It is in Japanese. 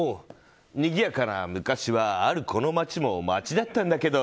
にぎやかな昔はあるこの町も町だったんだけど。